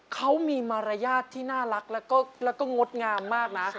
เขามีมารยาทที่น่ารักแล้วก็งดงามมากนะ